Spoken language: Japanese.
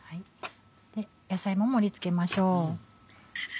野菜も盛り付けましょう。